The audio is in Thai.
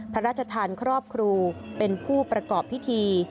พระราชทานครอบครูเป็นผู้ประกอบพิธี